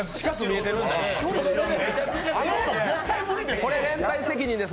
これ連帯責任です。